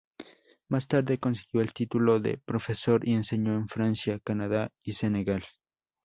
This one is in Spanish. Más tarde consiguió el título de profesor y enseñó en Francia, Canadá y Senegal.